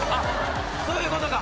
そういうことか。